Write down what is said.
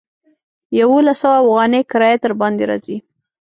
يوولس سوه اوغانۍ کرايه درباندې راځي.